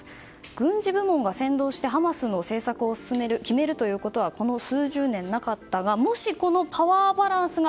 軍事部門が先導してハマスの政策を決めるということはこの十数年、なかったがもしこのパワーバランスが